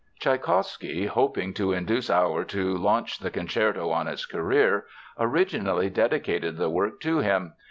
Tschaikowsky, hoping to induce Auer to launch the concerto on its career, originally dedicated the work to him.